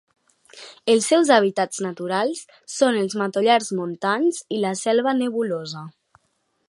Els seus hàbitats naturals són els matollars montans i la selva nebulosa.